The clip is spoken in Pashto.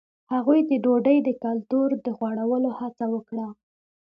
هغوی د ډوډۍ د کلتور د غوړولو هڅه وکړه.